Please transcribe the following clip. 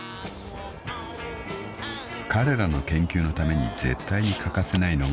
［彼らの研究のために絶対に欠かせないのが］